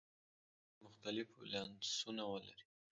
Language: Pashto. هر فلز دې مختلف ولانسونه ولري.